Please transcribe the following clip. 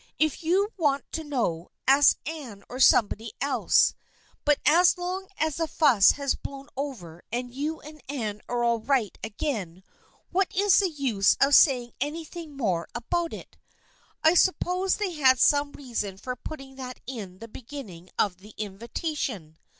If you want to know, ask Anne or somebody else, but as long as the fuss has blown over and you and Anne are all right again, what is the use of saying any thing more about it ? I suppose they had some reason for putting that in the beginning of the in vitation.